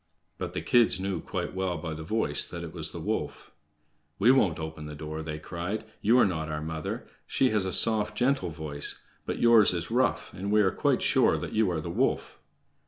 But the kids knew quite well by the voice that it was the wolf. "We won't open the door!" they cried. "You are not our mother. She has a soft, gentle voice; but yours is rough, and we are quite sure that you are the wolf."